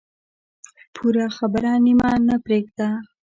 پوره خبره نیمه نه پرېږده.